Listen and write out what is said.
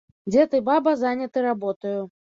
Дзед і баба заняты работаю.